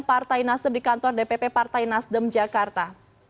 partai nasdem di kantor dpp partai nasdem jakarta